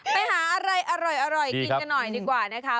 ไปหาอะไรอร่อยกินกันหน่อยดีกว่านะคะ